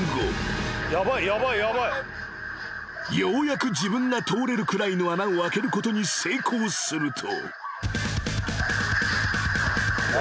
［ようやく自分が通れるくらいの穴を開けることに成功すると］